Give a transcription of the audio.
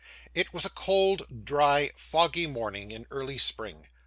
It was a cold, dry, foggy morning in early spring.